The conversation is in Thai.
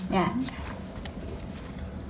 นี่